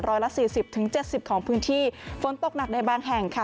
ร้อยละ๔๐๗๐ของพื้นที่ฝนตกหนักในบางแห่งค่ะ